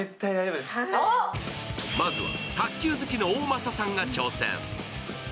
まずは卓球好きの大政さんが挑戦。